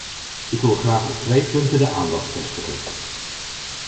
Ik wil graag op twee punten de aandacht vestigen.